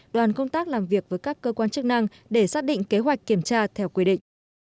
đoàn công tác làm việc với các cơ quan chức năng để xác định kế hoạch kiểm tra theo quy định